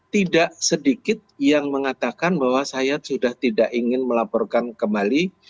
tidak sedikit yang mengatakan bahwa saya sudah tidak ingin melaporkan kembali